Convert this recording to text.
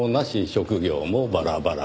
職業もバラバラ。